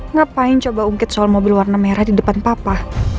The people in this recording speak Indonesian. ngapain coba ungkit soal mobil warna merah di depan papa